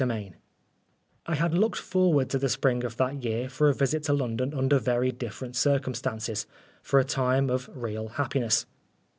173 XV I HAD looked forward to the spring of that year for a visit to London under very differ ent circumstances for a time of real happi ness.